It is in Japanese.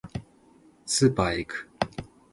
スーパーへ行く